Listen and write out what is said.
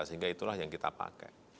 sehingga itulah yang kita pakai